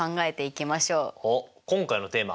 おっ今回のテーマ